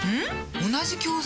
同じ教材？